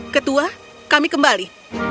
ketua kami kembali